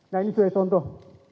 nah ini juga contoh